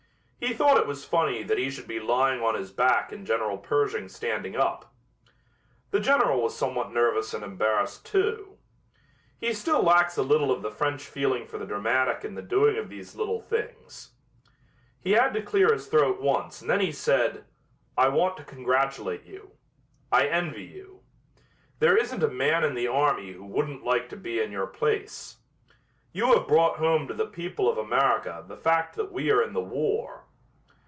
He thought it was funny that he should be lying on his back and General Pershing standing up. The General was somewhat nervous and embarrassed, too. He still lacks a little of the French feeling for the dramatic in the doing of these little things. He had to clear his throat once and then he said, "I want to congratulate you. I envy you. There isn't a man in the army who wouldn't like to be in your place. You have brought home to the people of America the fact that we are in the war."